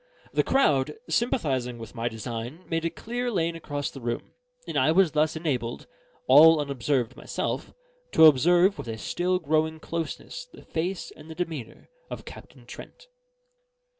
The crowd, sympathising with my design, made a clear lane across the room; and I was thus enabled, all unobserved myself, to observe with a still growing closeness the face and the demeanour of Captain Trent.